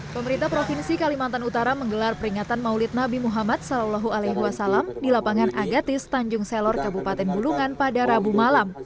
pemerintah provinsi kalimantan utara menggelar peringatan maulid nabi muhammad saw di lapangan agatis tanjung selor kabupaten bulungan pada rabu malam